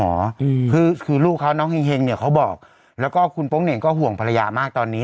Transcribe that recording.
อืมคือคือลูกเขาน้องเฮงเฮงเนี่ยเขาบอกแล้วก็คุณโป๊งเหน่งก็ห่วงภรรยามากตอนนี้